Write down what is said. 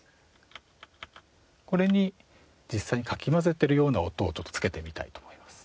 これに実際にかき混ぜているような音をちょっとつけてみたいと思います。